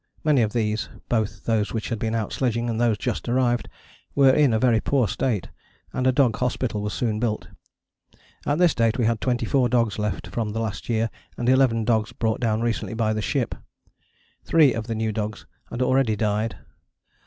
Many of these, both those which had been out sledging and those just arrived, were in a very poor state, and a dog hospital was soon built. At this date we had 24 dogs left from the last year, and 11 dogs brought down recently by the ship: three of the new dogs had already died.